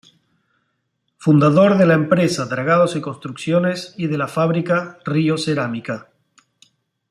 Fundador de la empresa Dragados y Construcciones y de la fábrica Río-Cerámica.